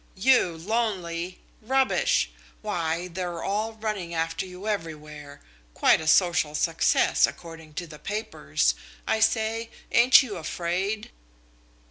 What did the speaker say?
"You lonely! Rubbish! Why, they're all running after you everywhere. Quite a social success, according to the papers! I say, ain't you afraid?"